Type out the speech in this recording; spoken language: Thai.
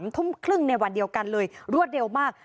ทุ่มครึ่งในวันเดียวกันเลยรวดเร็วมาก